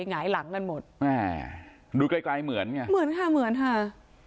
หงายหลังกันหมดแม่ดูไกลไกลเหมือนไงเหมือนค่ะเหมือนค่ะ